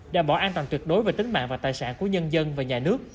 đảm bảo an toàn tuyệt đối về tính mạng và tài sản của nhân dân và nhà nước